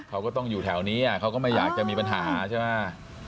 เขาก็ต้องอยู่แถวนี้เขาก็ไม่อยากจะมีปัญหาใช่ไหม